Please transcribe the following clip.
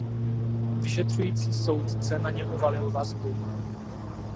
Vyšetřující soudce na ně uvalil vazbu.